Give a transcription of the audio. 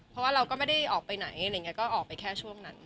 เพราะว่าเราก็ไม่ได้ออกไปไหนก็ออกไปแค่ช่วงนั้น